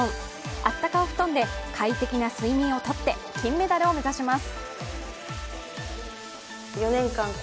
あったかお布団で快適な睡眠をとって金メダルを目指します。